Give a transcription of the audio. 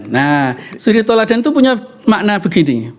nah suri toladan itu punya makna begini